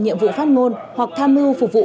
nhiệm vụ phát ngôn hoặc tham mưu phục vụ